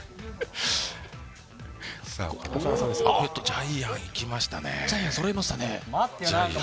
ジャイアンいきましたね。